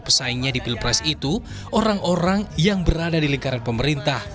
pesaingnya di pilpres itu orang orang yang berada di lingkaran pemerintah